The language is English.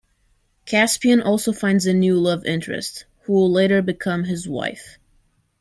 Caspian also finds a new love interest, who will later become his wife.